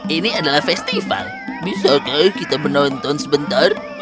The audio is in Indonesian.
ini adalah festival bisakah kita menonton sebentar